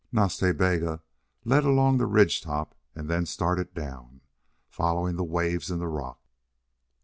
Nas Ta Bega led along the ridge top and then started down, following the waves in the rock.